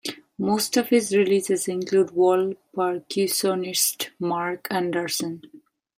Most of his releases include world percussionist Marc Anderson.